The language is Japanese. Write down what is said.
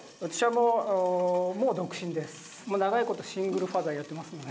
もう長いことシングルファーザーやってますので。